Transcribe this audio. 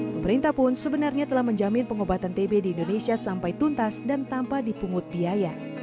pemerintah pun sebenarnya telah menjamin pengobatan tb di indonesia sampai tuntas dan tanpa dipungut biaya